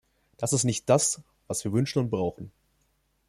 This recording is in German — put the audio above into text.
Das ist nicht das, was wir wünschen und brauchen!